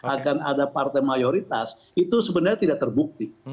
akan ada partai mayoritas itu sebenarnya tidak terbukti